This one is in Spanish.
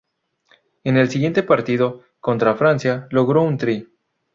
En el siguiente partido, contra Francia, logró un try.